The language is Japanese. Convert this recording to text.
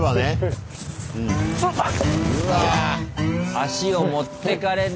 足を持ってかれんね。